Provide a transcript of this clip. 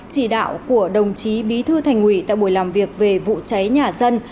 chỉ đạo của đồng chí bí thư thành ủy tại buổi làm việc về vụ cháy nhà dân